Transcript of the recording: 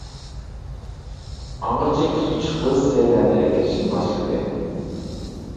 ئاڭغىچە كۈتكۈچى قىز سەيلەرنى ئەكىرىشكە باشلىدى.